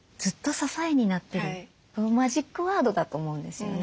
マジックワードだと思うんですよね。